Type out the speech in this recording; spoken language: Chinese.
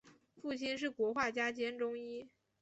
父亲是国画家兼中医。